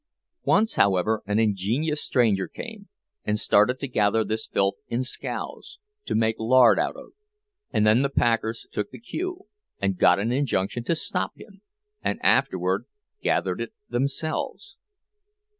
Once, however, an ingenious stranger came and started to gather this filth in scows, to make lard out of; then the packers took the cue, and got out an injunction to stop him, and afterward gathered it themselves.